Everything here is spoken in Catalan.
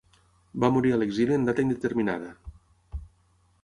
Va morir a l'exili en data indeterminada.